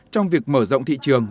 trong việc mở rộng thị trường